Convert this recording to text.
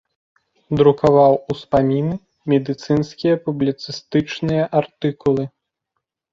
Друкаваў успаміны, медыцынскія публіцыстычныя артыкулы.